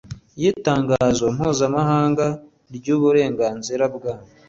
yi Itangazo Mpuzamahanga ry Uburenganzira bwa